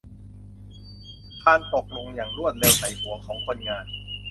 คานตกลงอย่างรวดเร็วใส่หัวของคนงาน